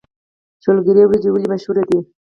شولګرې وريجې ولې مشهورې دي؟